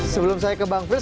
sebelum saya ke bang frits